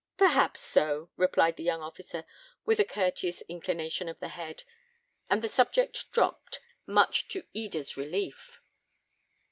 "Perhaps so," replied the young officer, with a courteous inclination of the head; and the subject dropped, much to Eda's relief.